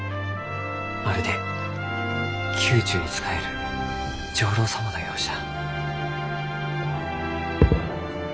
まるで宮中に仕える上臘様のようじゃ。